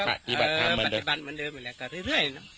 ปฏิบัติธรรมหลาย